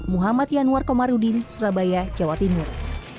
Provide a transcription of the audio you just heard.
muhammad yanwar komarudin surabaya jawa timur